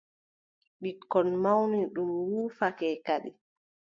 Ɓikkon mawni, ɗum wuufake kadi.